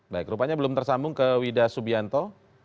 baik rupanya belum tersambung ke wida subianto